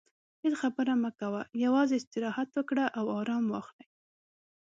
هیڅ خبرې مه کوه، یوازې استراحت وکړه او ارام واخلې.